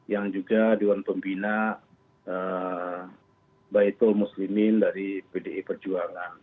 yang juga dewan pembina baitul muslimin dari pdi perjuangan